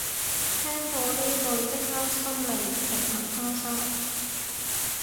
聽到呢句即刻心理平衡返晒